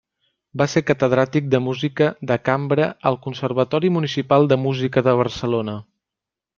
Va ser catedràtic de música de cambra al Conservatori Municipal de Música de Barcelona.